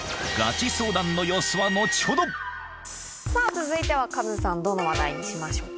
続いてはカズさんどの話題にしましょうか？